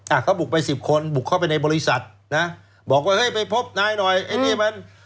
อ่ะเขาบุกไปสิบคนบุกเข้าไปในบริษัทนะบอกว่าเฮ้ยไปพบนายหน่อยไอ้นี่มัน